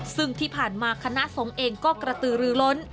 ซึ่งที่ผ่านมาคณะสงฆ์เองก็กระตือรือล้น